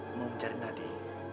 mau mencari nadi